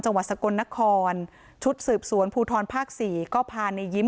จังหวัดสกลนครชุดสืบสวนภูทรภาคสี่ก็พาในยิ้ม